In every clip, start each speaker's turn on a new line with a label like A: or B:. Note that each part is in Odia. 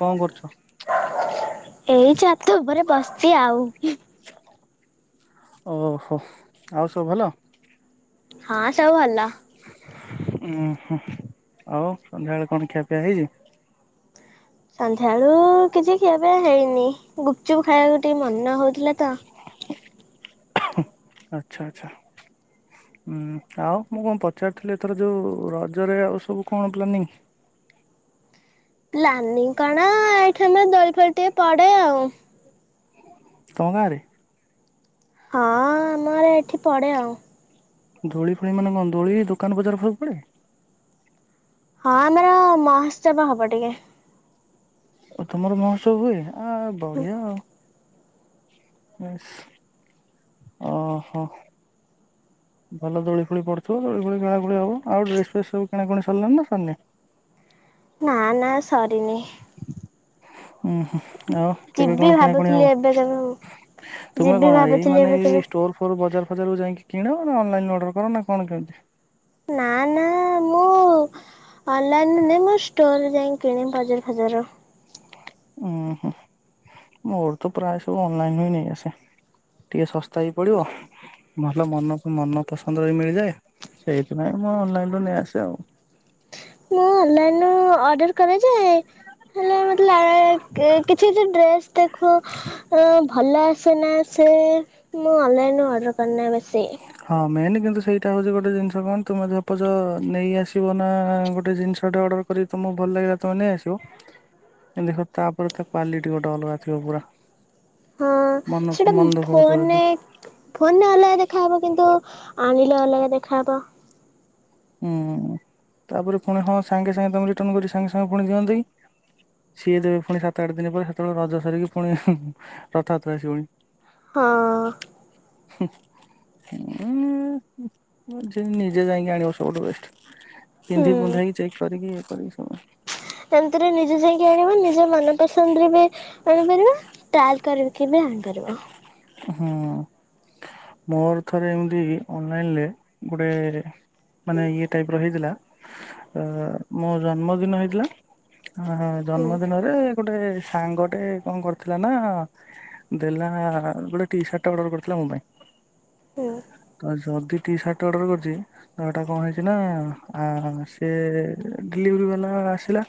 A: କଣ କରୁଛ?
B: ଏଇ ଛାତ ଉପରେ ବସିଛି ଆଉ।
A: ଓହୋ ଆଉ ସବୁ ଭଲ [unintelligible]
B: ହଁ ସବୁ ଭଲ। [unintelligible]
A: ଉଁ ହୁଁ ଆଉ ସନ୍ଧ୍ୟାବେେଳେ କଣ ଖିଆପିଆ ହେଇଛି।
B: ସନ୍ଧ୍ୟା ବେଳୁ କିଛି ଖିଆପିଆ ହେଇନି ଗୁପଚୁପ୍ ଖାଇବାକୁ ଟିକେ ମନେ ହଉଛି। ଥିଲାତ [unintelligible]
A: ଆଚ୍ଛା ଆଛା ଉଁ ଆଉ ମୁଁ କଣ ପଚାରିଥିଲି ଏଥର ଯୋଉ ରଜରେ ଆଉ ସବୁ କଣ ପ୍ଲାନିଂ
B: ପ୍ଲାନିଂ କଣ ଏଇଠ ଦୋଳି ଫଳି ଟିକେ ପଡେ ଆଉ।
A: ତମ ଗାଁରେ [unintelligible]
B: ହଁ ନୂଆ ଏଠି ପଡ଼େ ଆଉ।
A: ଦୋଳି ଫୋଳି ମାନେ କଣ ଦୋଳି ଦୋକାନ ବଜାର ସବୁ ପଡ଼େ?
B: ହଁ ଆମର ମହାତ୍ସବ ହବ ଟିକେ।
A: ଓ ତମର ମହାତ୍ସବ ହୁଏ? [unintelligible] ଆ ବଢ଼ିଆ ଆଉ। [unintelligible] ଏମ୍ ଓ ହ। [unintelligible] ଭଲ ଦୋଳି ଫୋଳି ପଡ଼ିୁଥୁବ ଦୋଳି ଫୋଳି ଖେଳାଖୁଳି ହବ। ଆଉ ଡ୍ରେସ୍ ଫେସ୍ ସବୁ କିଣାକୁଣି ସାରିଲାଣି ନାଁ ସରିନେଇ?
B: ହେଇନେଇ [unintelligible]
A: ଉଁ ହୁଁ ଆଉ କେବେ
B: ଯିବି
A: କଣ କିଣାକୁଣି
B: ଭାବୁଥିଲି
A: ହବ?
B: ଏବେ କେବେ ମୁଁ।
A: ତୁମେ
B: ଯିବି
A: କଣ ଏଇ
B: ଭାବିଥିଲି
A: ମାନେ
B: ଏବେ
A: ଏଇ
B: କେବେ
A: ଷ୍ଟୋର ଫୋର ବଜାର ବଜାରକୁ ଯାଇକି କିଣ ନାଁ ଅନଲାଇନରୁ ଅର୍ଡ଼ର କର ନାଁ କଣ କେମିତି?
B: ନାଁ ନାଁ ମୁଁ ଅନଲାଇନ ନୁହେଁ ମୁଁ ଷ୍ଟୋରରେ ଯାଇଁକି କିଣେ ବାଜାର ଫଜାର।
A: ଉଁ ହୁଁ ମୋର ତ ପ୍ରାୟ ସବୁ ଅନଲାଇନରୁ ନେଇଆସେ। ଟିକେ ଶସ୍ତା ବି ପଡ଼ିବ ଭଲ ମନ ମନ ପସନ୍ଦ ବି ମିଳିଯାଏ। ସେଇଥିପାଇଁ ମୁଁ ଅନଲାଇନରୁୁ ନେଇ ଆସେ ଆଉ।
B: ମୁଁ ଅନଲାଇନରୁ ଅର୍ଡର କରେ ଯେ ହେଲେ ମତେ ଲା ଏ କେ କିଛି କିଛି ଡ୍ରେସ ଦେଖୁଅ ଅ ଭଲ ଆସେ ନାଁ ଆସେ ମୁଁ ଅନଲାଇନରୁ ଅର୍ଡ଼ର କରିନେଇ ବେଶୀ।
A: ହଁ ମେନ୍ କିନ୍ତୁ ସେଇଟା ହୋଉଚି ଗୋଟେ ଜିନିଷ କଣ ତୁମେ ଧ ପଜ ନେଇଆସିବ ନାଁ ଗୋଟେ ଜିନିଷଟେ ଅର୍ଡ଼ର କରିିକି ତମକୁ ଭଲ ଲାଗିଲା ତୁମେ ନେଇଆସିବ କିନ୍ତୁ ଦେଖ ତାପରେ ତା କ୍ୱାଲିଟୀ ଗୋଟେ ଅଲଗା ଥିବ ପୁରା।
B: ହଁ
A: ମନ
B: ସେଟା
A: ମନ ଦୁଃଖ ହଉଥିବ ଦେଖି
B: ଫୋନରେ ଫୋନରେ ଅଲଗା ଦେଖାହବ। କିନ୍ତୁ ଆଣିଲେ ଅଲଗା ଦେଖାହବ।
A: ଉଁ ତାପରେ ଫୁଣି ହଁ ସାଙ୍ଗେ ସାଙ୍ଗେ ତମେ ରିଟନ୍ କରି ସାଙ୍ଗେ ସାଙ୍ଗେ ପୁଣି ଦିଅନ୍ତି ସିଏ ଦେବେ ଫୁଣି ସାତ ଆଠ ଦିନି ପରେ ହେତୋଳେ ରଜ ସରିକି ପୁଣି ରଥ ଯାତ୍ରା ଆସିବଣି।
B: ହଁ। [unintelligible]
A: ଉଁ ନିଜେ ନିଜେ ଯାଇଁକି ଆଣିବ‌। ସବୁଠୁ ବେଷ୍ଟ। ପିନ୍ଧି ପୁନ୍ଧାକି ଚେକ୍ କରିକି କରିକି ସମୟ।
B: ଏନ୍ତିରେ ନିଜେ ଯାଇକି ଆଣିବା ନିଜ ମନ ପସନ୍ଦରେ ବି ଆଣିପାରିବା ଟ୍ରାଏଲ କରିକି ବି ଆଣିପାରିବ।
A: ହୁଁ‌ ମୋର ଥରେ ଏମିତି ଅନଲାଇନରେ ଗୋଟେ ମାନେ ଇଏ ଟାଇପର ହେଇଥିଲା ଅ ମୋ ଜନ୍ମଦିନ ହେଇଥିଲା ହୁ ହଁ
B: ହୁଁ
A: ଜନ୍ମଦିନରେ ଗୋଟେ ସାଙ୍ଗଟେ କଣ କରିଥିଲା ନାଁ ଦେଲା ଗୋଟେ ଟି ସାର୍ଟଟେ ଅର୍ଡର କରିଥିଲା ମୋ ପାଇଁ।
B: ହୁଁ
A: ତ ଯଦି ଟି ସାର୍ଟଟେ ଅର୍ଡର କରିଚି ତାର ହେଟା କଣ ହେଇଚି ନାଁ ଆ ସିଏ ଡେଲିଭରି ବାଲା ଆସିଲା।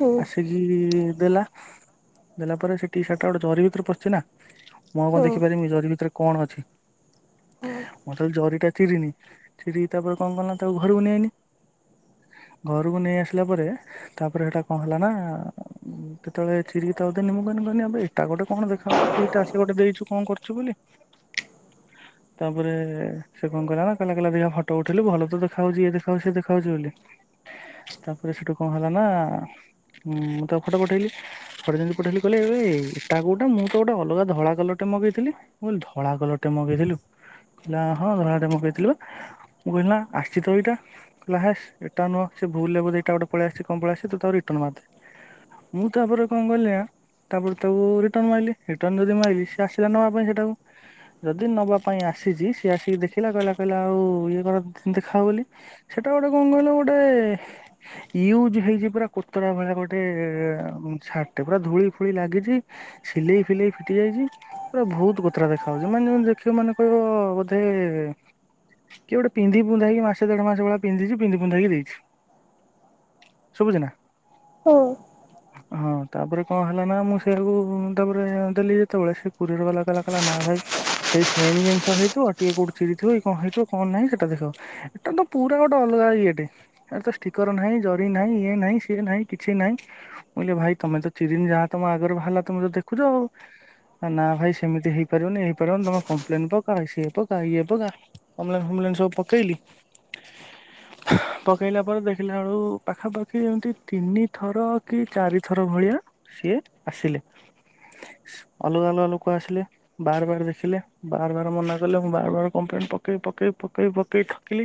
B: ହୁଁ
A: ଆସିକି ଦେଲା ଦେଲା ପରେ ସେଠିି ସାର୍ଟଟା ଗୋଟେ ଜରି ଭିତରେ ପସିଲା ମୁଁ ଆଉ
B: ହୁଁ
A: କଣଦେଖି ପାରିବି ଜରି ଭିତରେ କଣ ଅଛି
B: ହୁଁ
A: ମତେ ଜରି ଟା ତିରିନି ତିରି ତାପରେ କଣ କଲା ତାକୁ ଘରକୁ ନେଇନି ଘରକୁ ନେଇ ଆସିଲା ପରେ ତାପରେ ସେଟା କଣ ହେଲା ନା କେତେବେଳେ ଥ୍ରି ଥାଉଜେଣ୍ଟ ମୁଁ କରି ପାରୁନି ଆବେ ଏଇଟା ଗୋଟେ କଣ ଦେଖାଯାଉଛି କି ଟ୍ରାସଲେଟ୍ ଗୋଟେ ଦେଇଛୁ କଣ କରୁଛୁ ବୋଲି ତାପରେ ସେ କଣ କଲା ନା କହିଲା କହିଲା ଫଟ୍ ଫଟୋ ଉଠେଇଲୁ ଭଲ ତ ଦେଖାହଉଛି ଇଏ ଦେଖାଉଛି ସିଏ ଦେଖାଉଛି ବୋଲି ତାପରେ ସେଠୁ କଣ ହେଲା ନା ମୁଁ ତ ଫଟୋ ପଠେଇଲି ଫଟୋ ଯେମିତି ପଠେଇଲି କହିଲେ ଏବେ ଏଟା ଗୋଟା ମୁଁ ତ ଗୋଟେ ଅଲଗା ଧଳା କଲରଟେ ମଗେଇଥିଲି ମୁଁ ଧଳା କଲରଟେ ମଗେଇଦେଲୁ କହିଲା ହଁ ଧଳାଟେ ମଗେଇଥିଲୁ ମୁଁ କହିଲି ନା ଆସିଛି ତ ଏଇଟା କହିଲା ହେସ୍ ଏଇଟା ନୁହଁ ସେ ଭୁଲରେ ବୋଧେ ଏଇଟା ଗୋଟେ ପଳେଇଆସିଛି କଣ ପଳେଇ ଆସିଛି ତ ତାକୁ ରିଟର୍ଣ୍ଣ ମାରିଦେ ମୁଁ ତାପରେ କଣ କଲି ତାପରେ ତାକୁ ରିଟର୍ଣ୍ଣ ମାରିଲି ରିଟର୍ଣ୍ଣ ଯଦି ମାରିଲି ସେ ଆସିଲା ନେବା ପାଇଁ ସେଇଟାକୁ ଯଦି ନେବା ପାଇଁ ଆସିଛି ସିଏ ଆସିକି ଦେଖିଲା କହିଲା କହିଲା ଓ ଇଏ କଣ ଦେଖାଅ ବୋଲି ସେଟା ଗୋଟେ କଣ କହିଲ ଗୋଟେ ୟୁଜ ହେଇଛି ପୁରା କୋତରା ଭଳିଆ ଗୋଟେ ସାର୍ଟଟେ ପୁରା ଧୂଳିଫୁଳି ଲାଗିଛି ସିଲେଇ ଫିଲେଇ ଫିଟି ଯାଇଛି ପୁରା ବହୁତ କୋତରା ଦେଖାାଯାଉଛି ମାନେ ଦେଖିବ ମାନେ କହିବ ବୋଧେ କିଏ ଗୋଟେ ପିନ୍ଧି ପିନ୍ଧାକି ମାସେ ଦେଢ଼ ମାସ ବେଳେ ପିନ୍ଧିଛି ପିନ୍ଧି ପିନ୍ଧାକି ଦେଇଛି ଶୁଭୁଛି ନା
B: ହଁ
A: ହଁ ତାପରେ କଣ ହେଲା ନା ମୁଁ ସେଇଆକୁ ତାପରେ ଦେଲି ଯେତେବେଳେ ସେ କୋରିଅର୍ ବାଲା କହିଲା କହିଲା ନା ଭାଇ ସେଇ ସେମ ଜିନିଷ ହେଇଥାଉ ଆଉ ଟିକେ ଚିରି ଥିବ କଣ ହେଇଥିବ କଣ ନାହିଁ ଏଟା ଦେଖ ଏଟା ତ ପୁରା ଗୋଟେ ଅଲଗା ଇଏ ଟେ ଷ୍ଟିକର ନାହିଁ ଜରି ନାହିଁ ଇଏ ନାହିଁ ସିଏ ନାହିଁ କିଛି ନାହିଁ ମୁଁ କହିଲି ଭାଇ ତମେ ତ ଚିରିନି ଯାହା ତମ ଆଗରେ ବାହାରିଲା ତମେ ତ ଦେଖୁଛ ଆଉ ନା ଭାଇ ସେମିତି ହେଇ ପାରିବନି ହେଇପାରିବନି ତମେ କମ୍ପଲେନ୍ କର କାଣା ସିଏ ତ ଗାଁ ଇଏ ତ ଗାଁ କମ୍ପଲେନ୍ ଫମ୍ପଲେନ୍ ସବୁ ପକେଇଲି ହାଁ ପକେଇଲା ପରେ ଦେଖିଲା ବେଳୁ ପାଖାପାଖି ଏମିତି ତିନିଥର କି ଚାରିଥର ଭଳିଆ ସିଏ ଆସିଲେ ଅଲଗା ଅଲଗା ଲୋକ ଆସିଲେ ବାର ବାର ଦେଖିଲେ ବାର ବାର ମନା କଲେ ମୁଁ ବାର ବାର କମ୍ପ୍ଲେନ୍ ପକେଇ ପକେଇ ପକେଇ ପକେଇ ଥକିଲି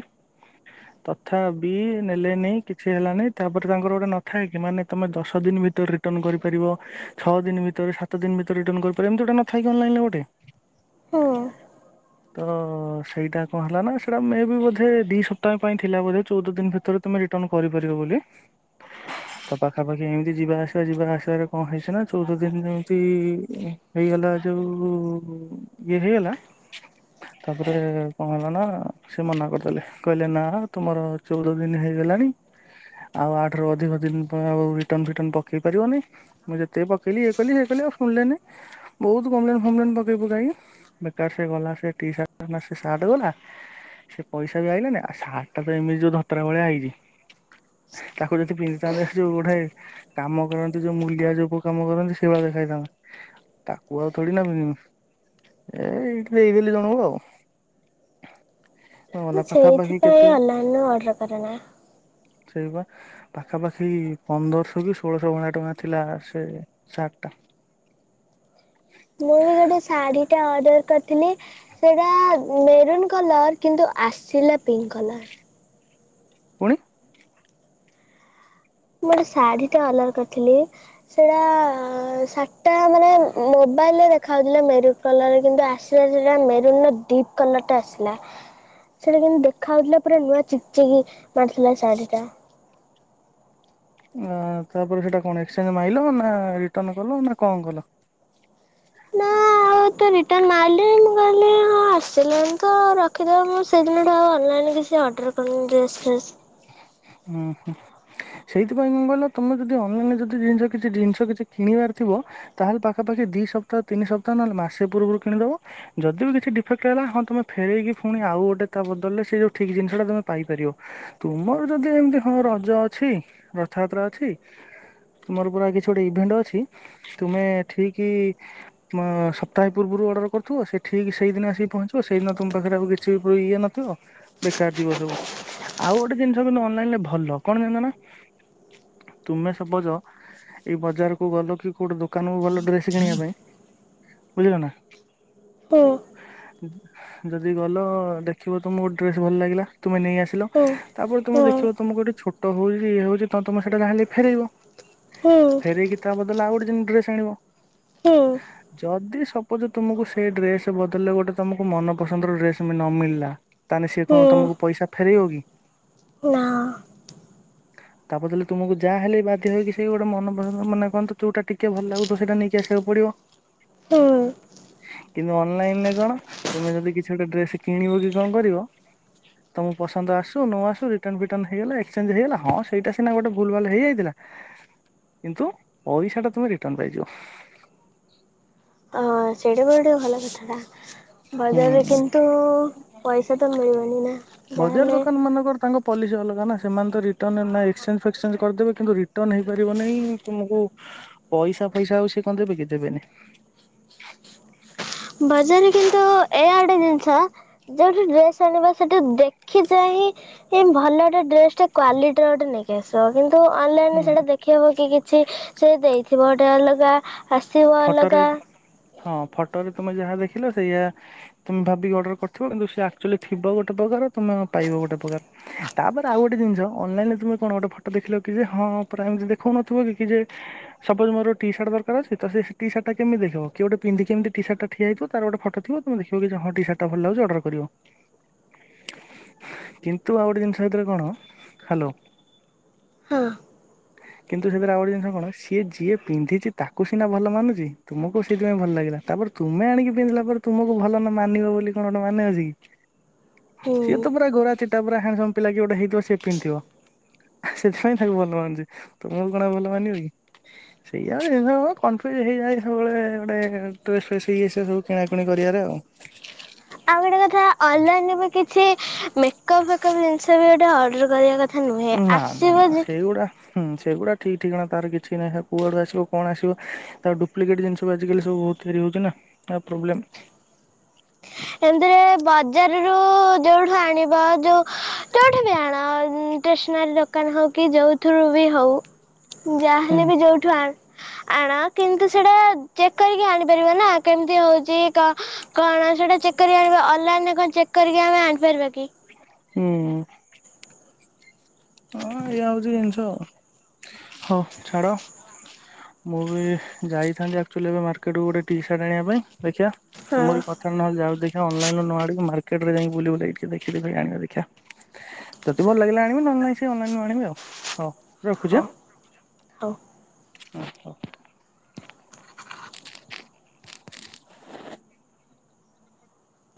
A: ତଥାବିି ନେଲେନି କିଛି ହେଲାନି ତାପରେ ତାଙ୍କର ଗୋଟେ ନଥାଏ କି ମାନେ ତମେ ଦଶ ଦିନ ଭିତରେ ରିଟର୍ଣ୍ଣ କରିପାରିବ ଛଅ ଦିନ ଭିତରେ ସାତ ଦିନ ଭିତରେ ରିଟର୍ଣ୍ଣ କରିପାରିବ ଏମତି ଗୋଟେ ନଥାଏ କି ଅନଲାଇନ୍ ରେ ଗୋଟେ
B: ହୁଁ
A: ତ ସେଇଟା କଣ ହେଲା ନା ସେଇଟା ମେବି ବୋଧେ ଦୁଇ ସପ୍ତାହ ପାଇଁ ଥିଲା ବୋଧେ ଚଉଦ ଦିନ ଭିତରେ ତୁମେ ରିଟର୍ଣ୍ଣ କରିପାରିବ ବୋଲି ତ ପାଖାପାଖି ଏମିତି ଯିବା ଆସିବା ଯିବା ଆସିବାରେ କଣ ହେଇସିନା ଚଉଦ ଦିନ ଯେମିତି ହେଇଗଲା ଯେଉଁ ଇଏ ହେଇଗଲା ତାପରେ କଣ ହେଲା ନା ସେ ମନା କରିଦେଲେ କହିଲେ ନା ତୁମର ଚଉଦ ଦିନ ହେଇଗଲାଣି ଆଉ ଆଠରୁ ଅଧିକ ଦିନ ଆଉ ରିଟର୍ଣ୍ଣ ଫିଟର୍ଣ୍ଣ ପକେଇ ପାରିବନି ମୁଁ ଯେତେ ପକେଇଲି ଇଏ କଲି ସିଏ କଲି ଆଉ ଶୁଣିଲେନି ବହୁତ କମ୍ପ୍ଲେନ ଫମ୍ପ୍ଲେନ ପକେଇ ପୁକାଇ ବେକାର ସେ ଗଲା ସେ ଟିସାର୍ଟ ଟା ସେ ସାର୍ଟ ଗଲା ସେ ପଇସା ବି ଆଇଲାନି ଆଉ ସାର୍ଟ ଟା ଏମିତି ଯୋଉ ଧତରା ଭଳିଆ ହେଇଛି ତାକୁ ଯଦି ପିନ୍ଧି ତା [unintelligible] ଯୋଉ ଗୋଠାଏ କାମ କରନ୍ତି ଯୋଉ ମୂଲିଆ ଯୋଉ [unintelligible] କାମ କରନ୍ତି ସେଇଭଳିଆ ଦେଖାଯାଇଥାନ୍ତା ତାକୁ ଆଉ ଥୋଡ଼ି ନା ପିନ୍ଧିବି ଏ ଏଇଠି ଦେଇଦେଲି ଜଣକୁ ଆଉ।
B: ମୁଁ
A: ଗଲା ପାଖାପାଖି
B: ସେଇଥିପାଇଁ
A: କେତେ
B: ଅନଲାଇନ୍ ରେ ଅର୍ଡର କରେ ନା।
A: ସେଇବା ପାଖାପାଖି ପନ୍ଦରଶହ କି ଷୋଳଶହ ଭଳିଆ ଟଙ୍କା ଥିଲା ସେ ସାର୍ଟ ଟା।
B: ମୁଁ ଗୋଟେ ଶାଢୀ ଟେ ଅର୍ଡର କରି ଥିଲି ସେଇଟା ମେରୁନ୍ କଲର କିନ୍ତୁ ଆସିଲା ପିଙ୍କ କଲର।
A: ପୁଣି
B: ମୁଁ ଗୋଟେ ଶାଢ଼ୀ ଟେ ଅର୍ଡର କରିଥିଲି ସେଟା ଶାଢି ଟା ମାନେ ମୋବାଇଲରେ ଦେଖାଯାଉଥିଲା ମେରୁନ୍ କଲର କିନ୍ତୁ ଆସିଲା ସେଟା ମେରୁନ ଡିପ କଲରଟା ଆସିଲା ସେଟା କିନ୍ତୁ ଖାଉଥିଲା ପୁରା ନୂଆ ଚିକ୍ ଚିକି ମାରୁଥିଲା ଶାଢ଼ୀଟା।
A: ଆଁ ତାପରେ ସେଇଟା କଣ ଏକ୍ସଚେଞ୍ଜ ମାଇଲ ନା ରିଟର୍ନ କଲ ନା କଣ କଲ?
B: ନା ଆଉ ତ ରିଟର୍ନ ମାରିଲି ମୁଁ କହିଲି ହଁ ଆସିଲାଣି ତ ରଖିଦବା ମୁଁ ସେଦିନ ଠୁ ଆଉ ଅନଲାଇନ କିଛି ଅର୍ଡର କରିନି ଡ୍ରେସ ଫ୍ରେସ।
A: ହୁଁ ହୁଁ ସେଇଥିପାଇଁ କଣ କହିଲ ତମେ ଯଦି ଅନଲାଇନ ରେ ଯଦି କିଛି ଜିନିଷ କିଛି କିଣିବାର ଥିବ ତାହେଲେ ପାଖାପଖି ଦିସପ୍ତାହ ତିନି ସପ୍ତାହ ନହେଲେମାସେ ପୂର୍ବରୁ କିଣିଦବ ଯଦି ବି କିଛି ଡିଫେକ୍ଟ ହେଲା ହଁ ତମେ ଫେରଇକି ପୁଣି ଆଉ ଗୋଟେ ତା ବଦଳରେ ସେ ଠିକ୍ ଜିନିଷ ଟା ତମେ ପାଇପାରିବ। ତୁମର ଯଦି ଏମିତି ହଁ ରଜ ଅଛି ରଥଯାତ୍ରା ଅଛି ତୁମର ପୁରା କିଛି ଗୋଟେ ଇଭେଣ୍ଟ ଅଛି ତୁମେ ଠିକ ସପ୍ତାହେ ପୂର୍ବରୁ ଅର୍ଡର କରୁଥିବ ସେ ଠିକ୍ ସେଇଦିନ ଆସିକି ପହଞ୍ଚିବ ସେଇଦିନ ତୁମ ପାଖରେ ଆଉ କିଛି ଇଏ ନଥିବ ବେକାର ଯିବ ସବୁ। ଆଉ ଗୋଟେ ଜିନ୍ସ କିନ୍ତୁ ଅନଲାଇନରେ ଭଲ କଣ ଜାଣିଚ ନା? ତୁମେ ସପୋଜ ଏଇ ବଜାରକୁ ଗଲ କି କୋଉଠି ଦୋକାନ କୁ ଗଲ ଡ୍ରେସ କିଣିବା ପାଇଁ ଯଦି ଗଲ ଦେଖିବ ତମକୁ ଡ୍ରେସ ଭଲ ଲାଗିଲା ତୁମେ ନେଇଆଶିବ ତାପରେ ତମେ ଦେ ଆଚ୍ଛା ତମକୁ ଗୋଟେ ଛୋଟ ହଉଛି ଇଏ ହଉଛି ତମେ ସେଟାହାଁଲେ ଫେରବ। ଫେରିକି ତା ବଦଲେ ଆଉ ଗୋଟେ ଡ୍ରେସ ଆଣିବ ଯଦି ସପୋଜ ତୁମକୁ ସେଇ ଡ୍ରେସ ବଦଲରେ ଗୋଟେ ତମକୁ ମନପସନ୍ଦର ଡ୍ରେସ ନ ମିଳିଲା? ତାହେଲେ ସେ କଣ ତମକୁ ପଇସା ଫେରେଇବ କି?
B: ନା
A: ତାପଦରେ ତୁମକୁ ଯାହା ହେଲେ ବାଧ୍ୟ ହେକି ସେ ଗୋଟେ ମନ ପସନ୍ଦ ମାନେ କହୋଟା ଟିକେ ଭଲ ଲାଗୁ ସେଇଟା ନେଇକି ଆସିବାକୁ ପଡିବ
B: ହୁଁ
A: କିନ୍ତୁ ଅନଲାଇନରେ କଣ ତମେ ଯଦି କିଛି ଗୋଟେ ଡେସ କିଣିବ କି କଣ କରିବ ତମ ପସନ୍ଦ ଆସ ନଆ ଆସୁ ରିଟନ୍ ଫିଟନ୍ ହେଇଗଲାସଚେ୍ ହେଇଗଲା ହଁ ସେଇଟା ସିନା ଗୋଟେ ଆବେ ଭୁଲ ଭାଲ ହେଇଯାଇଥିଲା କିନ୍ତୁ ପଇସା ଟା ତମେ ରଟନ୍ ପାଇଯିବ।
B: ହଁ ସେଇଟା ବି ଗୋଟେ ଭଲକଥା ଟା। ବାଜାରରେ
A: ହୁଁ।
B: କିନ୍ତୁ ପଇସା ତ ମିଳିିବନି ନା ଯହାହଲେ।
A: ହେ ସେମାନେ ତ ରିଟର୍ ନା ଏକ୍ସଚେ୍ କରିଦେବେ କିନ୍ତୁ ରିଟର୍ଣ ହେଇପାରିବ ନାହିଁ ତୁମକୁ ପଇସା ଫଇସା ଆଉ ସେ କଦେବେ କି ଦେବେନି।
B: ବାଜାରରେ କିନ୍ତୁ ଏଇ ଗୋଟେ ଜିନିଷ ଯୋଉଠି ଡ୍ରେସ୍ ଆଣିବା ସେଠି ଦେଖି ଚାହିଁ ଏଇ ଭଲଟେ ଡ୍ରେସ୍ ଟେ କ୍ୱାଲିଟି ର ଗୋଟେ ନେଇଁ ସେ କିନ୍ତୁ? ତ ଅନଲାଇନ୍ ରେ
A: ହୁଁ
B: ସେଇଟା ଦେଖେଇବ କି ସେ ସେ ଦେଇଥିବ ଗଟେ ଅଲଗା। ଆସିବ
A: ଫଟୋରେ
B: ଅଲଗା
A: ହଁ ଫଟୋରେ ତମେ ଯାହା ଦେଖିଲ ସେଇୟଆ ତମେ ଭାବିକି ଅର୍ଡର କରିଥିବ କିନ୍ତୁ ସେ ଆକ୍ଚୁଆଲି ଥିବ ଗୋଟେ ପ୍ରକାର ତମେ ପାଇବ ଗୋଟେ ପ୍ରକାର ତାପରେ ଆଉ ଗୋଟେ ଜିନିଷ ଅନଲାଇନ୍ ରେ ତମେ କଣ ଗୋଟେ ଫଟୋ ଦେଖିଲକି ଯେ ହଁ ପୁରା ଏମିତି ଦେଖଉନଥିବ କି ଯେ ସପୋଜ ମୋର ଟିସାର୍ଟ ଦରକାର ଅଛି। ତ ସେ ଟିସାର୍ଟ ଟା କେମତି ଦେଖିବ କିଏ ଗୋଟେ ପିନ୍ଧିକି ଏମିତି ଟିସାର୍ଟ ଠିଆଇଥିବ ତାରୋଗୋଟେ ଫୋଟ ଥିବ ତୁ ଦେଖିବ କି ହଁ ଟିସାର୍ଟ ଭଲଲାଗୁଛି ଅଡର କରିବ କିନ୍ତୁ ଆଉ ଗୋଟେ ଜିନିଷ ଭିତରେ କଣ ହାଲୋ।
B: ହଁ।
A: କିନ୍ତୁ ସେଥିରେ ଆଉଗଟେ ଜିନିଷ କଣ ସିଏଯିଏ ପିନ୍ଧିଛି ତା କୁସିନା ଭଲ ମାନୁଛି ତୁମକୁ, ସେଇଥିପାଇଁ ଭଲଲାଗିଲା। ତାପରେ ତୁମେ ଆଣିକି ପିନ୍ଧିଲାପରେ ତୁମକୁ ଭଲ ନ ମାନିବ ବୋଲି କଣ ଗୋଟେ ମାନେ ଅଛି କି? ସିଏ
B: ହୁଁ।
A: ତ ପୁରା ଗୋରା। ସେଟା ପୁରା ହ୍ୟାଣ୍ଡସମ୍ ପିଲା କିଏ ଗୋଟେ ହେଇଥିବ ସେ ପିନ୍ଧିବ ସେଥିପାଇଁ ତାକୁ ଭଲମାନୁଛି ତୁମକୁ କଣ ଆଉ ଭଲମାନିବ କି ସେଇଆଆଉ ଜିନଷ ଆଉ କ କନଫିଉଜ ହେଇଯାଏ ସବୁବେଳେ ଏ ଗୋଟେ ଡ୍ରେସ ଫେସ୍ ଇଏ ସିଏ ସବୁ କିଣାକିିଣି କରିବାରେ।
B: ଆଉଗୋଟେ କଥା ଅନଲାଇନରୁ କିଛି ମେକପ୍ ଫେକପ୍ ସେବି ଗୋଟେ ଅର୍ଡର କରିବା କ କଥା ନୁହେଁ
A: ନା ନା ନା
B: ଆସିବ ଯେ
A: ସେଇଗୁଡା ହୁଁ, ସେଗୁଡ଼ା ଠିକ୍ ଠିକଣା ତାର କିଛିନାହିଁ କୁଆଡୁଆସିବ କଣଆସିବ ତାର ଡୁପ୍ଲିକେଟ୍ ଜିନିଷବି ଆଜିକାଲି ସବୁ ବହୁତ ତିଆରି ହଉଛିନା। ପ୍ରୋବ୍ଲେମ୍
B: ଏ ବଜାରରୁ ଯେଉଠୁଁ ଆଣିବ। ଯୋଉ ଯୋଉଠୁ ବି ଆଣ ଷ୍ଟେସନାରୀ ଦୋକାନ ହଉକି ଯୋଉଥିରୁବି ହଉ
A: ହୁଁ
B: ଯାହାହେଲେ ବି ଯୋଉଠୁ ଆ ଆଣ କିନ୍ତୁ ସେଟା ଚେକ୍ କରିକି ଆଣିପାରିବ ନା କେମିତି ହଉଛି କଣ ସେଟା ଚେକ୍ କରି ଆ ଅନଲାଇନ ରେ କଣ ଚେକ୍ କରିକି ଆମେ ଆଣିପାରିବା କି।
A: ହୁଁ। ହଁ ଏୟା ହଉଛି ଜିନିଷ ଆଉ ହଉ ଛାଡ ମୁଁ ବି ଯାଇଥାନ୍ତି ଆକ୍ଚୁଆଲି ଏବେ ମାର୍କେଟକୁୁ ଗୋଟେ ଟି ସାର୍ଟ ଆଣିବା ପାଇଁ। ଦେଖିବା ତୁମର
B: ହଁ
A: କଥା ନହେଲେ ଯାଉଛି ଦେଖିବା ଅନଲାଇନୁ ନ ଆଣିକି ମା ମାର୍କେଟ ରେ ଯାଇଁକି ବୁଲି ବୁଲାକି ଟିକେ ଦେଖ ଦେବି ଆଣୀବା ଦେଖିବା ଯଦି ଭଲ ଲାଗିଲା ଆଣିବି ନହେଲେ ନାଇଁ ସେ ଅନଲାଇନ୍ ରୁ ଆଣିବେ ଆଉ ହଉ।
B: ହଁ ହଉ।
A: ଆଛା।